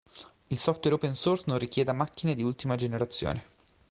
Il software open source non richieda macchine di ultima generazione.